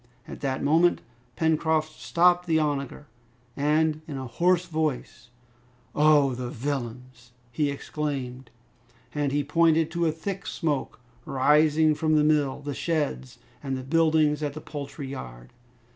At that moment Pencroft stopped the onager, and in a hoarse voice, "Oh! the villains!" he exclaimed. And he pointed to a thick smoke rising from the mill, the sheds, and the buildings at the poultry yard.